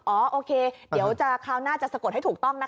โอเคเดี๋ยวคราวหน้าจะสะกดให้ถูกต้องนะคะ